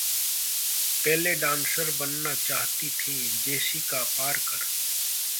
ballet dancer बनना चाहती थी जेसिका पार्कर